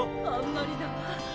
あんまりだわ。